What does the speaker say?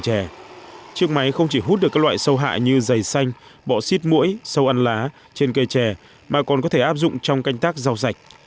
chiếc máy không chỉ hút được các loại sâu hại như dày xanh bọ xít mũi sâu ăn lá trên cây chè mà còn có thể áp dụng trong canh tác rau sạch